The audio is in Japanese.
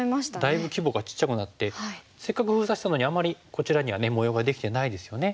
だいぶ規模がちっちゃくなってせっかく封鎖したのにあんまりこちらには模様ができてないですよね。